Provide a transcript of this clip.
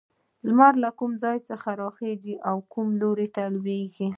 لمر له کومې خوا راخيژي او کوم لور ته لوېږي؟